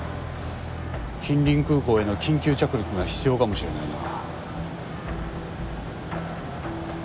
近隣空港への緊急着陸が必要かもしれないな。